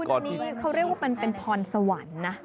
อันนี้เขาเรียกว่าเป็นพรสวรรค์นะ